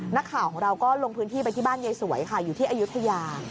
นักข่าวของเราก็ลงพื้นที่ไปที่บ้านยายสวยค่ะอยู่ที่อายุทยา